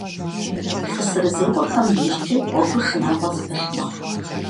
ЛъэсырызекӀуэхэм дежкӀи гъуэгур шынагъуэ зыпылъ мэхъу.